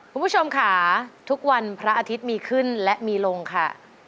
คุณผู้ชมค่ะทุกวันพระอาทิตย์มีขึ้นและมีลงค่ะ